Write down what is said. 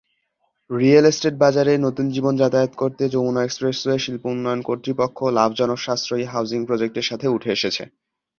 Real estate বাজারে নতুন জীবন যাতায়াত করতে, যমুনা এক্সপ্রেসওয়ে শিল্প উন্নয়ন কর্তৃপক্ষ লাভজনক সাশ্রয়ী হাউজিং প্রজেক্টের সাথে উঠে এসেছে।